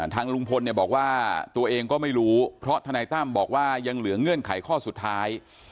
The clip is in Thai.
ทางลุงพลเนี่ยบอกว่าตัวเองก็ไม่รู้เพราะทนายตั้มบอกว่ายังเหลือเงื่อนไขข้อสุดท้าย